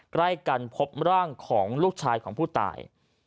ใกล้กันพบร่างของลูกชายของผู้ตาย